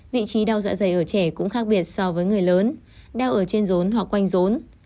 vị trí đau dạ dày ở trẻ cũng khác biệt so với người lớn đeo ở trên rốn hoặc quanh rốn